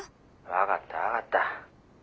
分かった分かった。